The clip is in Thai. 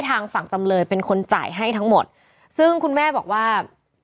ทางฝั่งจำเลยเป็นคนจ่ายให้ทั้งหมดซึ่งคุณแม่บอกว่า